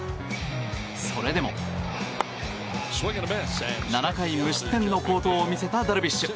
それでも、７回無失点の好投を見せたダルビッシュ。